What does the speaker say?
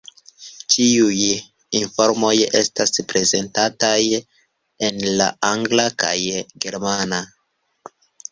Ĉiuj informoj estas prezentataj en la angla kaj germana.